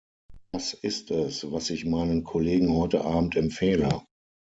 Das ist es, was ich meinen Kollegen heute abend empfehle.